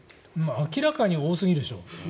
明らかに多すぎるでしょ。